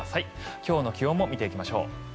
今日の気温も見ていきましょう。